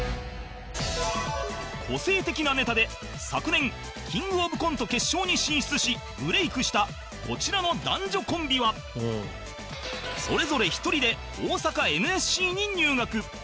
個性的なネタで昨年キングオブコント決勝に進出しブレイクしたこちらの男女コンビはそれぞれ１人で大阪 ＮＳＣ に入学